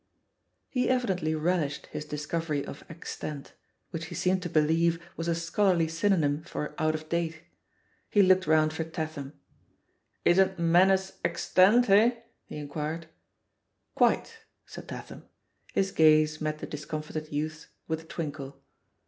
He evidently relished his dis covery of "extant," which he seemed to believe was a scholarly synonym for "out of date." He looked round for Tatham. "Isn't 'menace' ex tant, eh ?" he inquired. "Quite," said Tatham. His gaze met the dis comfited youth's with a twinkle.